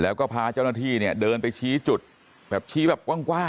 แล้วก็พาเจ้าหน้าที่เนี่ยเดินไปชี้จุดแบบชี้แบบกว้าง